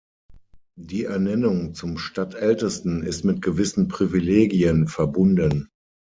Die Ernennung zum Stadtältesten ist mit gewissen Privilegien verbunden.